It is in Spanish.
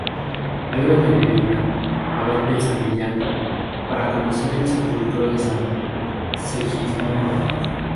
Pedro de Medina, abad de San Millán, para conocer el sepulcro de San Segismundo.